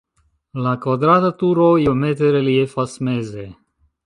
La kvadrata turo iomete reliefas meze.